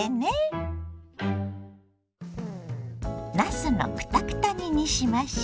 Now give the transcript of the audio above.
なすのクタクタ煮にしましょ。